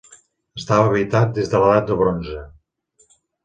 Estava habitat des de l'Edat del Bronze.